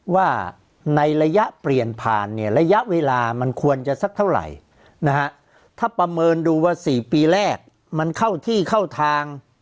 ว่าในระยะเปลี่ยนผ่านเนี่ยระยะเวลามันควรจะสักเท่าไหร่นะฮะถ้าประเมินดูว่า๔ปีแรกมันเข้าที่เข้าทาง